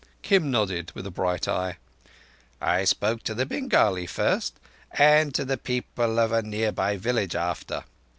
Kim nodded, with a bright eye. "I spoke to the Bengali first—and to the people of a near by village after.